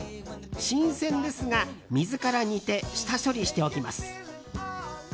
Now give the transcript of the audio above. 新鮮ですが、水から煮て下処理しておきます。